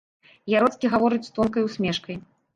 Яроцкі гаворыць з тонкай усмешкай.